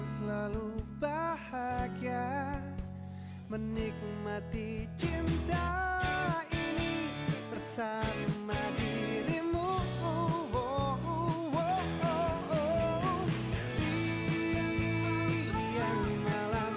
sampai aja kali ngomongnya